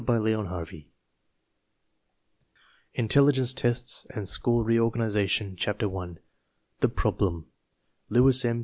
» J ■»<• k INTELLIGENCE TESTS AND SCHOOL REORGANIZATION CHAPTER ONE The Problem Lewis M.